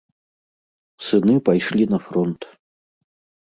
Сыны пайшлі на фронт.